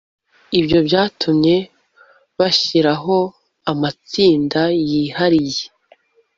ibyo byatumye bashyiraho amatsinda yihariye